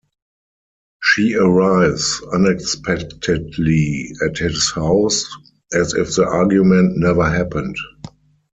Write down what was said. She arrives unexpectedly at his house, as if the argument never happened.